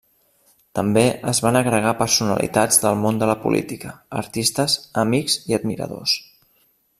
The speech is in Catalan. També es van agregar personalitats del món de la política, artistes, amics i admiradors.